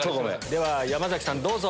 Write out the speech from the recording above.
では山さんどうぞ。